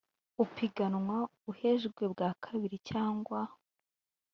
upiganwa uhejwe bwa kabiri cyangwa